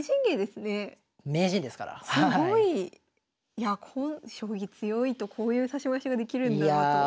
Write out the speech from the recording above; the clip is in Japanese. すごい。いやこ将棋強いとこういう指し回しができるんだなと。